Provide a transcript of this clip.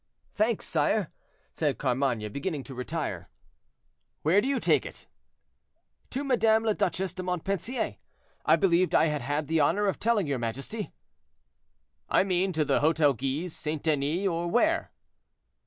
"Thanks, sire," said Carmainges, beginning to retire. "Where do you take it?" "To Madame la Duchesse de Montpensier, I believed I had had the honor of telling your majesty." "I mean, to the Hotel Guise, St. Denis, or where?"